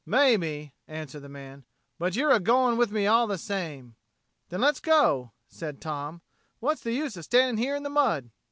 "Maybe," answered the man. "But you're a going with me all the same." "Then let's go," said Tom. "What's the use of standing here in the mud?"